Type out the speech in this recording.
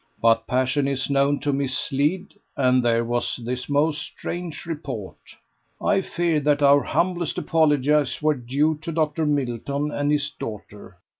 But passion is known to mislead, and there was this most strange report. I feared that our humblest apologies were due to Dr. Middleton and his daughter.